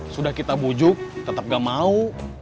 sudah kita bujuk tetap gak mau